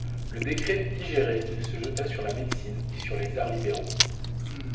Le Décret digéré, il se jeta sur la médecine, et sur les arts libéraux.